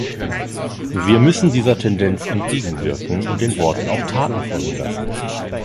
Wir müssen dieser Tendenz entgegenwirken und den Worten auch Taten folgen lassen.